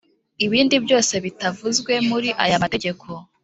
Ibindi byose bitavuzwe muri aya mategeko